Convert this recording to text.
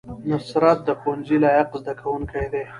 نصرت د ښوونځي لایق زده کوونکی دی